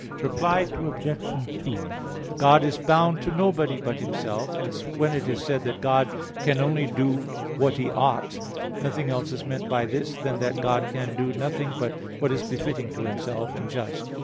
Reply Obj. 2: God is bound to nobody but Himself. Hence, when it is said that God can only do what He ought, nothing else is meant by this than that God can do nothing but what is befitting to Himself, and just.